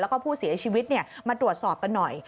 แล้วก็ผู้เสียชีวิตมาตรวจสอบกันหน่อย